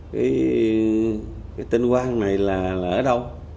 cái tin quang này là ở đâu